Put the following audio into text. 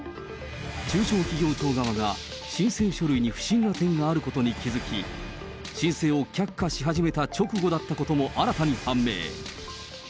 中小企業庁側が申請書類に不審な点があることに気付き、申請を却下し始めた直後だったことも新たに判明。